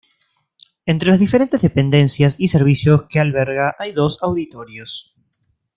Entre las diferentes dependencias y servicios que alberga hay dos auditorios.